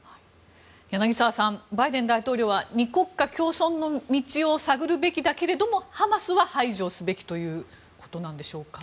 柳澤さんバイデン大統領は２国家共存の道を探るべきだけどハマスは排除すべきということなんでしょうか。